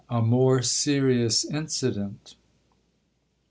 — A more serious incident.